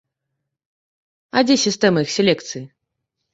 А дзе сістэма іх селекцыі?